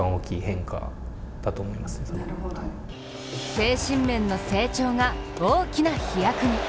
精神面の成長が大きな飛躍に。